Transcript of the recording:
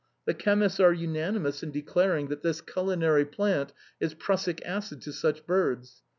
The chemists are unanimous in declaring that this culinary plant is prussic acid to such birds.